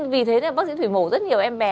vì thế bác sĩ thủy mổ rất nhiều em bé